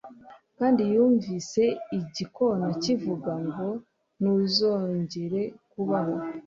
kandi yumvise igikona kivuga ngo ntuzongere kubaho